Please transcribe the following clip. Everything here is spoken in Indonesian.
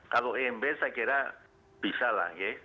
kalau imb saya kira bisa lah ya